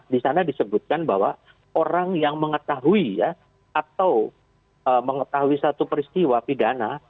di sana disebutkan bahwa orang yang mengetahui ya atau mengetahui satu peristiwa pidana